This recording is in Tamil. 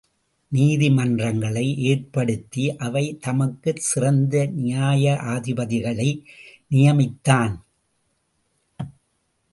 நீதி மன்றங்களை ஏற்படுத்தி அவை தமக்குச் சிறந்த நியாயாதிபதிகளை நியமித்தான்.